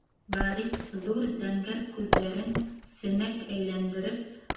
Борис, ҙур зәңгәр күҙҙәрен семәкәйләндереп: